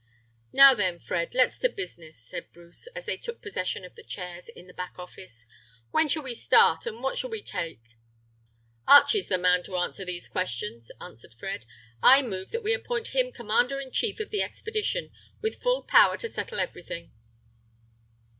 "Now then, Fred, let's to business," said Bruce, as they took possession of the chairs in the back office. "When shall we start, and what shall we take?" "Archie's the man to answer these questions," answered Fred. "I move that we appoint him commander in chief of the expedition, with full power to settle everything."